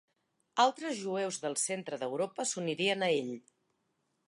Altres jueus del centre d'Europa s'unirien a ell.